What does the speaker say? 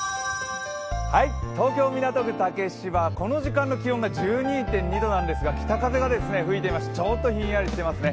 東京・港区竹芝、この時間の気温は１２．２度なんですが北風が吹いていまして、ちょっとひんやりしていますね。